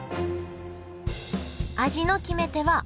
味の決め手はお酢。